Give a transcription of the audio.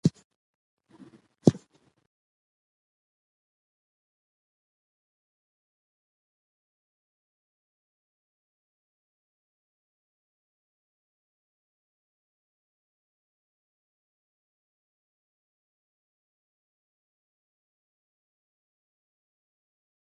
تالابونه د افغانانو د معیشت سرچینه ده.